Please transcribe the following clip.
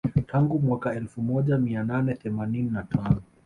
Tangu mwaka elfu moja mia nane themanini na tano